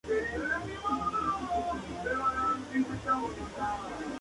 Los primeros dioses del hombre fueron las fuerzas de la naturaleza.